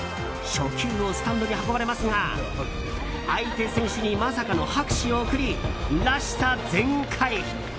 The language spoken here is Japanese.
初球をスタンドに運ばれますが相手選手にまさかの拍手を送りらしさ全開。